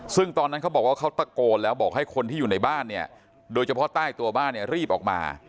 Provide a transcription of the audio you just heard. ซึ่งตอนนั้นเขาบอกว่าเขาตะโกนแล้วบอกให้คนที่อยู่ในบ้านเนี่ยโดยเฉพาะใต้ตัวบ้านเนี่ยรีบออกมา